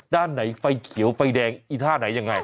ด้านไหนไฟเขียวไฟแดงอีท่าไหนยังไง